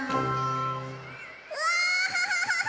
うわアハハハ！